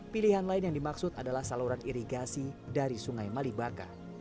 pilihan lain yang dimaksud adalah saluran irigasi dari sungai malibaka